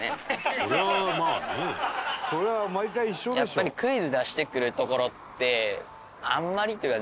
やっぱりクイズ出してくるところってあんまりっていうか